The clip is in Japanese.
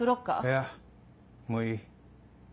いやもういい。